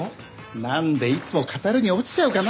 なんでいつも語るに落ちちゃうかな。